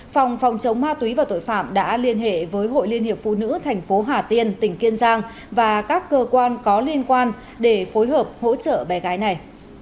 phòng phòng chống ma túy và tội phạm đã liên hệ với hội liên hiệp phụ nữ thành phố hà tiên tỉnh kiên giang và các cơ quan có liên quan để phối hợp hỗ trợ bé gái này